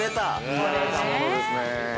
◆見なれたものですねえ。